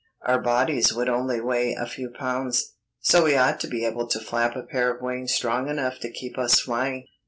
Our bodies would only weigh a few pounds, so we ought to be able to flap a pair of wings strong enough to keep us flying.